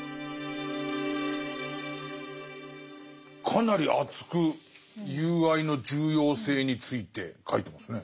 かなり熱く友愛の重要性について書いてますね。